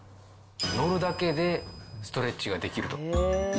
乗るだけでストレッチができると。